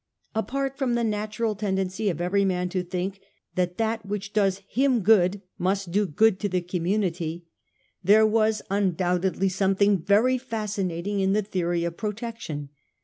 Apart from the natural tendency of every man to think that that which does him good must do good to the community, there was un 1841 6 . PROTECTION. 327 doubtedly something very fascinating in the theory of protection.